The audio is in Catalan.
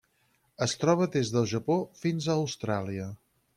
Es troba des del Japó fins a Austràlia.